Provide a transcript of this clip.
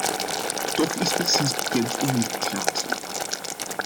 Toch is precies bekend om wie het gaat.